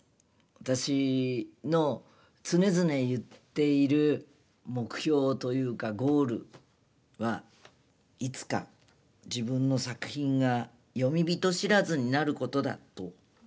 私の常々言っている目標というかゴールはいつか自分の作品が『詠み人知らず』になることだと。